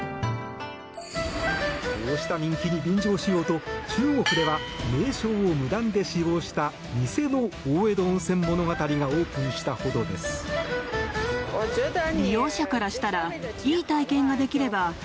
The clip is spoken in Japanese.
こうした人気に便乗しようと中国では名称を無断で使用した偽の大江戸温泉物語がオープンしたほどです。